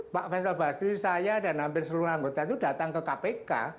pak faisal basri saya dan hampir seluruh anggota itu datang ke kpk